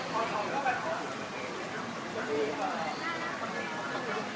สวัสดีครับสวัสดีครับ